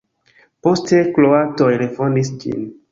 Poste kroatoj refondis ĝin.